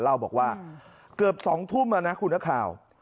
เล่าบอกว่าเกือบ๒ทุ่มนะคุณนักข่าว